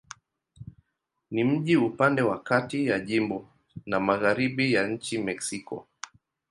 Ni mji upande wa kati ya jimbo na magharibi ya nchi Mexiko.